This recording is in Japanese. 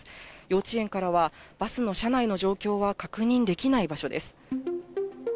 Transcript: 幼稚園からはバスの車内の状況は確認できない場所です。